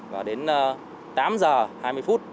và đến tám h hai mươi phút